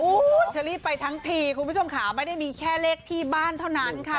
คุณเชอรี่ไปทั้งทีคุณผู้ชมค่ะไม่ได้มีแค่เลขที่บ้านเท่านั้นค่ะ